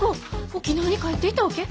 沖縄に帰っていたわけ？